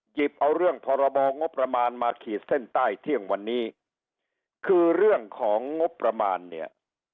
หยิบเอาเรื่องพรบงบประมาณมาขีดเส้นใต้เที่ยงวันนี้คือเรื่องของงบประมาณเนี่ย